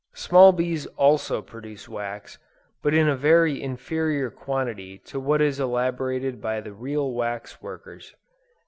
Small bees also produce wax, but in a very inferior quantity to what is elaborated by the real wax workers."